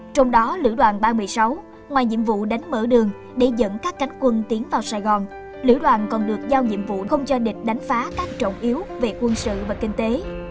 trong đó lữ đoàn ba trăm một mươi sáu ngoài nhiệm vụ đánh mở đường để dẫn các cánh quân tiến vào sài gòn lữ đoàn còn được giao nhiệm vụ không cho địch đánh phá các trọng yếu về quân sự và kinh tế